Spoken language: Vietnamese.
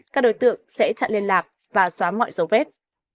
các đối tượng sẽ chặn liên lạc và xóa mọi dấu vết